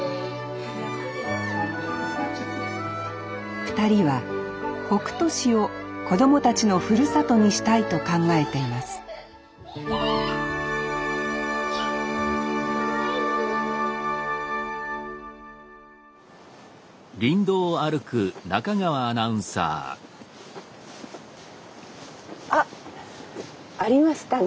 ２人は北杜市を子供たちのふるさとにしたいと考えていますあっありましたね。